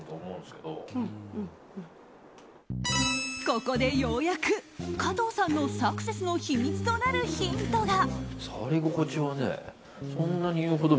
ここでようやく加藤さんのサクセスの秘密となるヒントが。